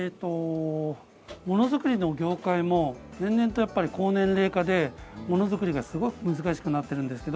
ものづくりの業界も年々、高年齢化でものづくりが難しくなっています。